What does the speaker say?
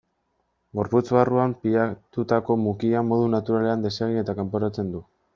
Gorputz barruan pilatutako mukia modu naturalean desegin eta kanporatzen du.